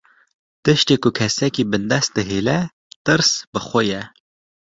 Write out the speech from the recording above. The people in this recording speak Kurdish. Tiştê ku kesekî bindest dihêle, tirs bi xwe ye